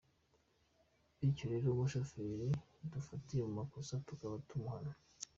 Bityo rero umushoferi dufatiye mu makosa tukaba tumuhana.